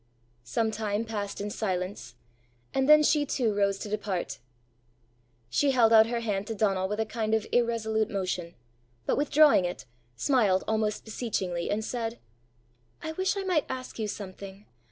Some time passed in silence, and then she too rose to depart. She held out her hand to Donal with a kind of irresolute motion, but withdrawing it, smiled almost beseechingly, and said, "I wish I might ask you something.